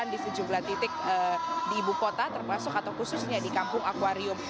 penggusuran di sejumlah titik di bupota terpasuk atau khususnya di kampung akwarium